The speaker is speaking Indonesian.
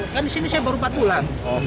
kan di sini saya baru empat bulan